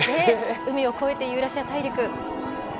海を越えてユーラシア大陸。